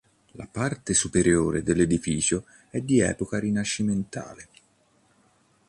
La parte superiore dell'edificio è di epoca rinascimentale.